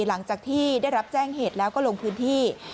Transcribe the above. หลังจากที่ได้รับแจ้งเหตุแล้วก็ลงพื้นที่